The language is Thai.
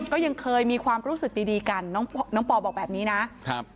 ก็ยังเคยมีความรู้สึกดีดีกันน้องน้องปอบอกแบบนี้นะครับ